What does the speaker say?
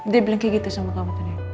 dia bilang kayak gitu sama kamu